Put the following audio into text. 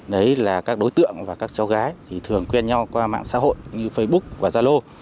đấy là các đối tượng và các cháu gái thì thường quen nhau qua mạng xã hội như facebook và zalo